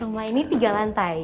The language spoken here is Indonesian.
rumah ini tiga lantai